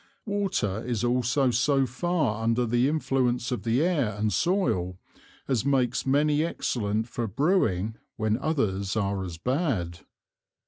Water is also so far under the Influence of the Air and Soil, as makes many excellent for Brewing when others are as bad.